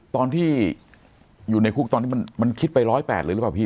ตอนที่อยู่ในคุกตอนนี้มันคิดไป๑๐๘เลยหรือเปล่าพี่